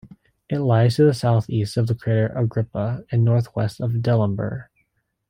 It lies to the southeast of the crater Agrippa and northwest of Delambre.